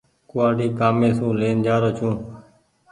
ڪوُوآڙي ڪآمي سون لين جآرو ڇون ۔